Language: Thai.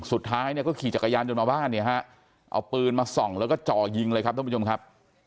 สุดท้ายเนี่ยก็ขี่จักรยานยนต์มาบ้านเนี่ยฮะเอาปืนมาส่องแล้วก็จ่อยิงเลยครับท่านผู้ชมครับ